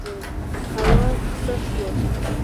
هوا ښه شوه